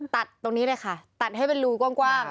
ตัดตรงนี้เลยค่ะตัดให้เป็นรูกว้าง